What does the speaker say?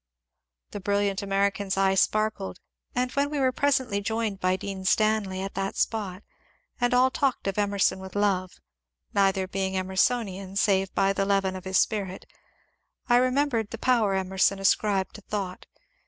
The brilliant American's eye sparkled, and when we were presently joined by Dean Stanley at that spot, and all talked of Emerson with love (neither being Emersonian save by the leaven of his spirit), I remembered the power Emerson ascribed to Thought.